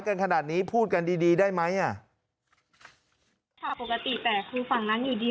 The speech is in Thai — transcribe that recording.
กันขนาดนี้พูดกันดีดีได้ไหมอ่ะค่ะปกติแต่คือฝั่งนั้นอยู่ดี